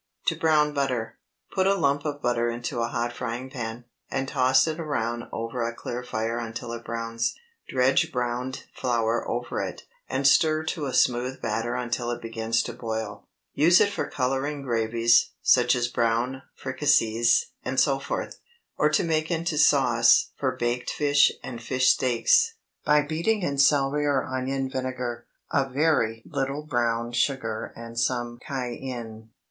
TO BROWN BUTTER. Put a lump of butter into a hot frying pan, and toss it around over a clear fire until it browns. Dredge browned flour over it, and stir to a smooth batter until it begins to boil. Use it for coloring gravies, such as brown fricassees, etc.; or make into sauce for baked fish and fish steaks, by beating in celery or onion vinegar, a very little brown sugar and some cayenne.